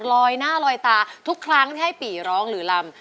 ลอยหน้าลอยตาทุกครั้งที่ให้ปีร้องหรือลำ